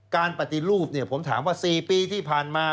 การปฏิรูปผมถามว่า๔ปีที่ผ่านมา